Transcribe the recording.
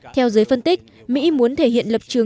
theo giới phân tích mỹ muốn thể hiện lập trường cứng rắn hơn